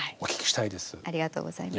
ありがとうございます。